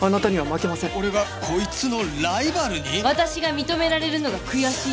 私が認められるのが悔しいんです。